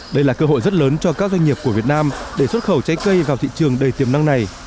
đây là cơ hội rất lớn cho các doanh nghiệp của việt nam để xuất khẩu trái cây vào thị trường đầy tiềm năng này